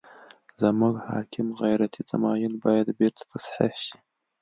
زموږ حاکم غیرتي تمایل باید بېرته تصحیح شي.